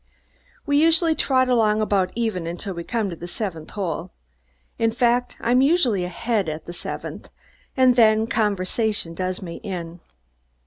We usually trot along about even until we come to the seventh hole in fact, I'm usually ahead at the seventh and then conversation does me in.